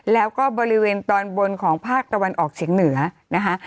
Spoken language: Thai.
แล้วก็บริเวณตอนบนของภาคตะวันออกเฉียงเหนือนะคะ